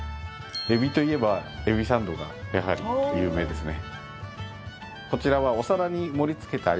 エビといえばエビサンドがやはり有名ですね。